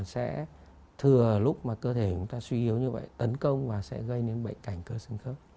sẽ thừa lúc mà cơ thể chúng ta suy yếu như vậy tấn công và sẽ gây đến bệnh cảnh cơ sân khớp